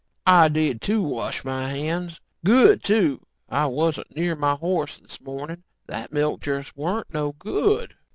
"I did too, wash my hands. Good, too. I wuzn't near my horse this morning. That milk just weren't no good."